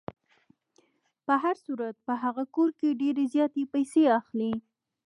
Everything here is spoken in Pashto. په هر صورت په هغه کور کې ډېرې زیاتې پیسې اخلي.